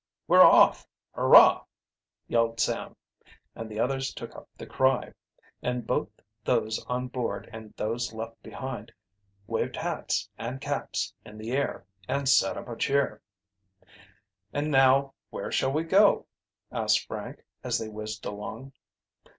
"We're off! Hurrah!" yelled Sam, and the others took up the cry, and both those on board and those left behind waved hats and caps in the air and set up a cheer. "And now where shall we go?" asked Frank, as they whizzed along.